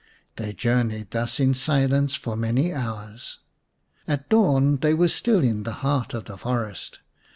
They journeyed thus in silence for many hours. At dawn they were still in the heart of the forest.